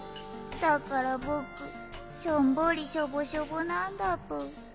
だからぼくしょんぼりしょぼしょぼなんだぷん。